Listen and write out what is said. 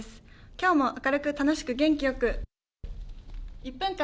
今日も明るく楽しく元気よく「１分間！